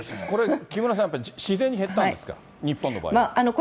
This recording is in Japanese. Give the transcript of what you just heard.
これ、木村さん、自然に減ったんですか、日本の場合。